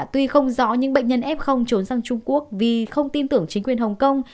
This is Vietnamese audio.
tuy không rõ những bệnh nhân f trốn sang trung quốc vì không tin tưởng chính quyền hồng kông